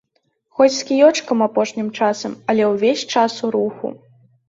Хоць з кіёчкам апошнім часам, але ўвесь час у руху.